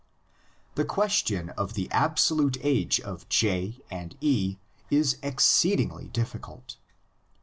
The question of the absolute age of J and E is exceedingly difficult.